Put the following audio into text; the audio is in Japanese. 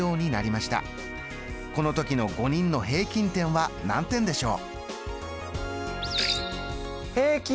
この時の５人の平均点は何点でしょう？